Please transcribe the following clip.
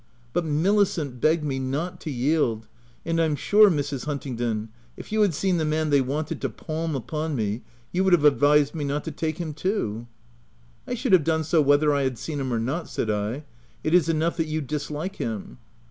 But Milicent begged me not to yield, and I'm sure, Mrs. Huntingdon, if you had seen the man they wanted to palm upon me, you would have advised me not to take him too/' "I should have done so whether I had seen him or not," said I. " It is enough that you dislike him.